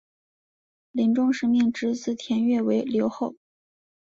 临终时命侄子田悦为留后。